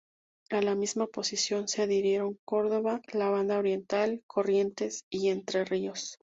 A la misma posición se adhirieron Córdoba, la Banda Oriental, Corrientes y Entre Ríos.